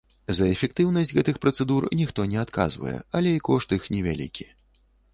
За эфектыўнасць гэтых працэдур ніхто не адказвае, але і кошт іх невялікі.